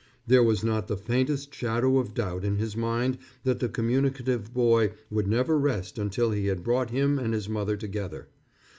There was not the faintest shadow of doubt in his mind that the communicative boy would never rest until he had brought him and his mother together.